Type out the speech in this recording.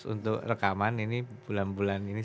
untuk rekaman ini bulan bulan ini